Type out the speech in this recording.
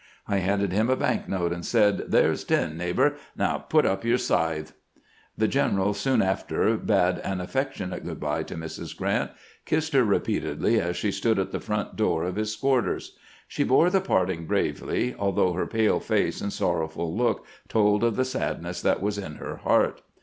I handed him a bank note, and said :' There 's ten, neigh bor ; now put up your scythe.' " The general soon after bade an affectionate good by to Mrs. Grrant, kissing her repeatedly as she stood at the front door of his quarters. She bore the parting bravely, although her pale face and sorrowful look told of the sadness that was in her heart.